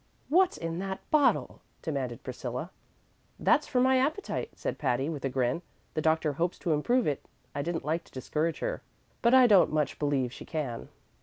"What's in that bottle?" demanded Priscilla. "That's for my appetite," said Patty, with a grin; "the doctor hopes to improve it. I didn't like to discourage her, but I don't much believe she can."